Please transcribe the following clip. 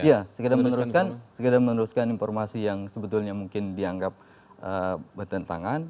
ya sekedar meneruskan informasi yang sebetulnya mungkin dianggap bertentangan